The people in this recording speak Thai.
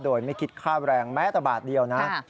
โดยไม่คิดค่าแรงแม้แต่บาทเดียวนะ